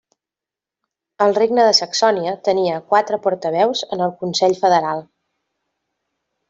El regne de Saxònia tenia quatre portaveus en el Consell Federal.